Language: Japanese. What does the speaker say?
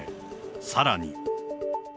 さらに。